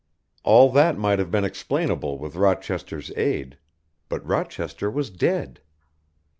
All that might have been explainable with Rochester's aid, but Rochester was dead.